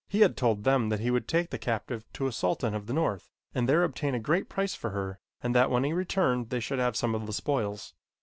He had told them that he would take the captive to a sultan of the north and there obtain a great price for her and that when he returned they should have some of the spoils.